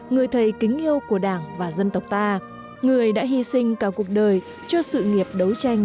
người thầy kính yêu của đảng và dân tộc ta người đã hy sinh cả cuộc đời cho sự nghiệp đấu tranh